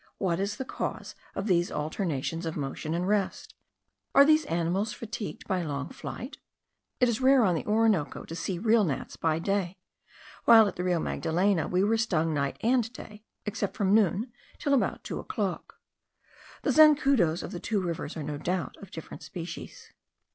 What is the cause of these alternations of motion and rest? Are these animals fatigued by long flight? It is rare on the Orinoco to see real gnats by day; while at the Rio Magdalena we were stung night and day, except from noon till about two o'clock. The zancudos of the two rivers are no doubt of different species.